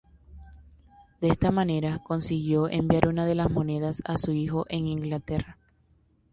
De esta manera, consiguió enviar una de las monedas a su hijo en Inglaterra.